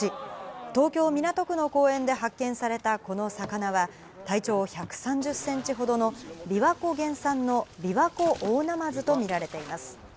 東京・港区の公園で発見されたこの魚は、体長１３０センチほどの、琵琶湖原産のビワコオオナマズと見られています。